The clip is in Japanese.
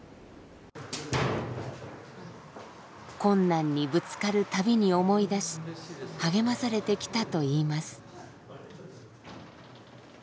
困難にぶつかる度に思い出し励まされてきたといいます。